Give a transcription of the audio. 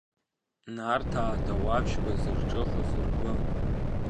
Нарҭаа адауаԥшьқәа зырҿыхоз ргәы.